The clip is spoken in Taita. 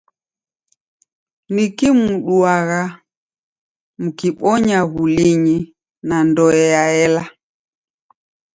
Niki mduaa mukibonya w'ulinyi na ndoe yaela?